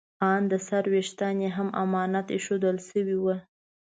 ان د سر ویښتان یې هم امانت ایښودل شوي وو.